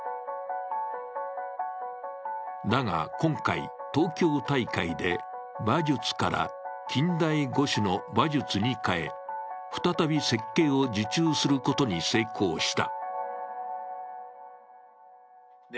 だが今回、東京大会で馬術から近代五種の馬術に変え、近代五種の馬術にかえ、再び設計を受注することに成功した。